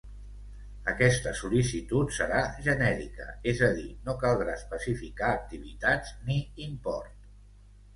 Aquesta sol·licitud serà genèrica, és a dir, no caldrà especificar activitats ni import.